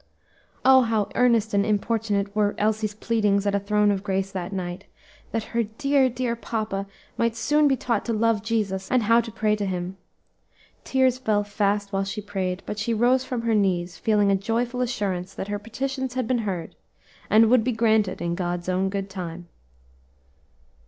Oh! how earnest and importunate were Elsie's pleadings at a throne of grace that night, that her "dear, dear papa might soon be taught to love Jesus, and how to pray to Him." Tears fell fast while she prayed, but she rose from her knees feeling a joyful assurance that her petitions had been heard, and would be granted in God's own good time.